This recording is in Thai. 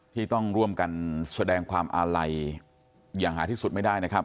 ที่ต้องร่วมกันแสดงความอาลัยอย่างหาที่สุดไม่ได้นะครับ